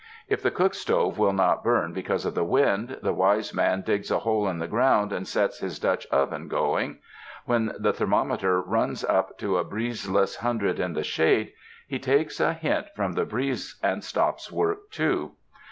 If the cook stove will not burn because of the wind, the wise man digs a hole in the ground, and sets his Dutch oven going. When the thermometer runs up to a breezeless hundred in the shade, he takes a hint 15 UNDER THE SKY IN CALIFORNIA from the breeze and stops work, too.